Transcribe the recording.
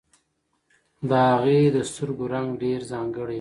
د هغې د سترګو رنګ ډېر ځانګړی و.